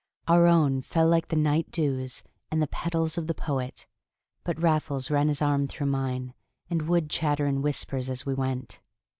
Our own fell like the night dews and the petals of the poet; but Raffles ran his arm through mine, and would chatter in whispers as we went.